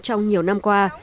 trong nhiều năm qua